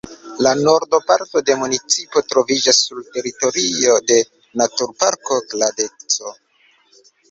La norda parto de municipo troviĝas sur teritorio de naturparko Kladecko.